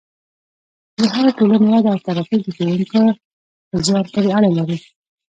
د هرې ټولنې وده او ترقي د ښوونکو په زیار پورې اړه لري.